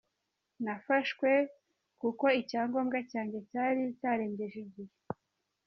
Nafashwe kuko icyangombwa cyanjye cyari cyarengeje igihe.”